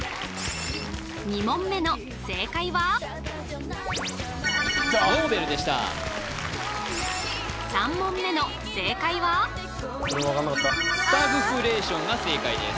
２問目の正解はノーベルでした３問目の正解はスタグフレーションが正解です